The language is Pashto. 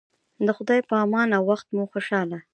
د خدای په امان او وخت مو خوشحاله